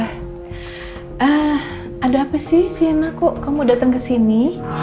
eh ada apa sih sienna kok kamu datang kesini